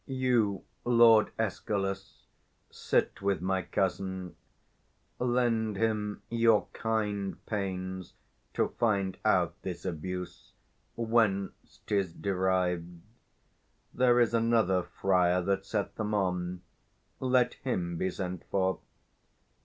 You, Lord Escalus, Sit with my cousin; lend him your kind pains To find out this abuse, whence 'tis derived. 245 There is another friar that set them on; Let him be sent for.